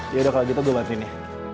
ya udah kalau gitu gue bantuin ya